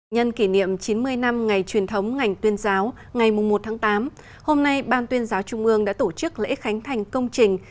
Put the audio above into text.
nhân kỷ niệm chín mươi năm ngày truyền thống ngành tuyên giáo ngày một tháng tám hôm nay ban tuyên giáo trung ương đã tổ chức lễ khánh thành công trình